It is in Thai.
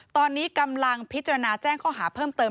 ตอนนี้กำลังพิจารณาแจ้งข้อหาเพิ่มเติม